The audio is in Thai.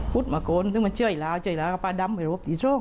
พุดมะโกนซึ่งเชยล้าก็ไปรวบที่โซ่ง